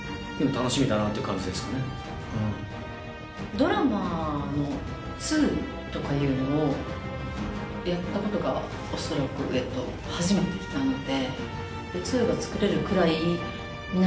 ドラマの「２」とかいうのをやったことが恐らく初めてなので。